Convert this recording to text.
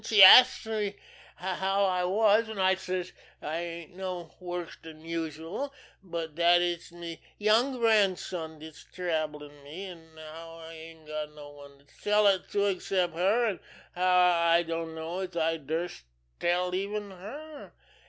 She asks me how I was, an' I says I ain't no worse dan usual, but dat it's me young grandson dat's troublin' me, an' how I ain't got no one to tell it to except her, an' how I dunno as I durst tell even her.